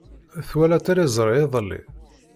Twala tiliẓri iḍelli.